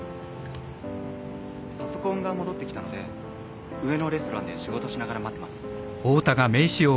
パソコンが戻ってきたので上のレストランで仕事しながら待ってます。